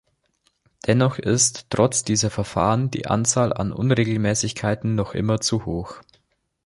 Dennoch ist trotz dieser Verfahren die Anzahl an Unregelmäßigkeiten noch immer zu hoch.